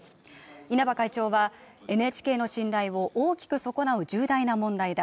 稲葉会長はＮＨＫの信頼を大きく損なう重大な問題だ。